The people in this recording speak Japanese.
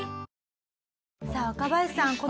さあ若林さん